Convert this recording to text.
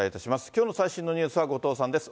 きょうの最新のニュースは後藤さんです。